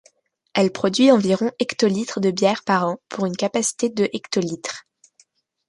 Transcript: Elle produit environ hectolitres de bière par an pour une capacité de hectolitres.